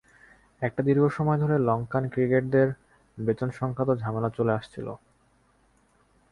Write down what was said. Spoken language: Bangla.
একটা দীর্ঘ সময় ধরে লঙ্কান ক্রিকেটারদের বেতন সংক্রান্ত ঝামেলা চলে আসছিল।